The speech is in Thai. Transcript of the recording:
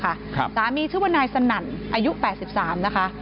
สามีชื่อว่านายสนั่นอายุแปดสิบสามนะคะ